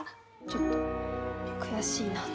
ちょっと悔しいなって。